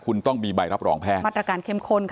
คุณต้องมีใบรับรองแพทย์มาตรการเข้มข้นค่ะ